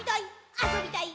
あそびたい！」